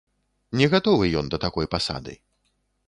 Не гатовы ён да такой пасады.